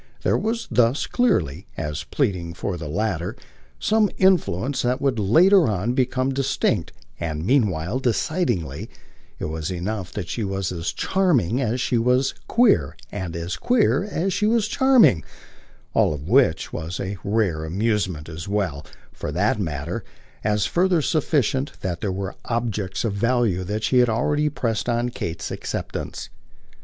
There was thus clearly, as pleading for the latter, some influence that would later on become distinct; and meanwhile, decidedly, it was enough that she was as charming as she was queer and as queer as she was charming all of which was a rare amusement; as well, for that matter, as further sufficient that there were objects of value she had already pressed on Kate's acceptance.